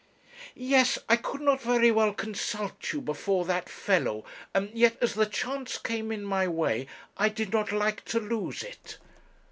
'Yes; I could not very well consult you before that fellow, and yet as the chance came in my way, I did not like to lose it.